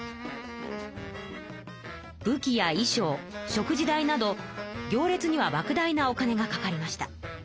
武器や衣しょう食事代など行列にはばく大なお金がかかりました。